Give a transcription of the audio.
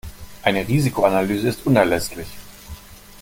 Eine Risikoanalyse ist unerlässlich.